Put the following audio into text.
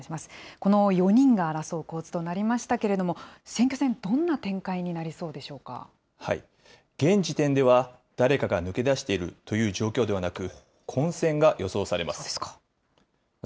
この４人が争う構図となりましたけれども、選挙戦、どんな展開に現時点では、誰かが抜け出しているという状況ではなく、混戦が予想されます。